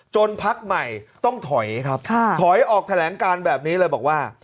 พักใหม่ต้องถอยครับถอยออกแถลงการแบบนี้เลยบอกว่า